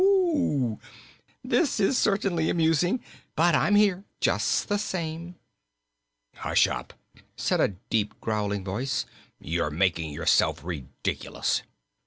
Hoo, hoo, hoo, hoo! This is certainly amusing. But I'm here, just the same." "Hush up!" said a deep, growling voice. "You're making yourself ridiculous."